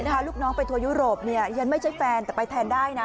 ลูกน้องไปทัวร์ยุโรปเนี่ยฉันไม่ใช่แฟนแต่ไปแทนได้นะ